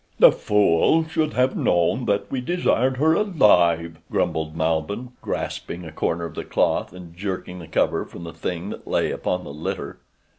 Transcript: "The fool should have known that we desired her alive," grumbled Malbihn, grasping a corner of the cloth and jerking the cover from the thing that lay upon the litter.